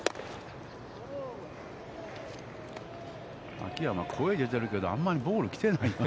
秋山、声出てるけど、あんまりボール来てない。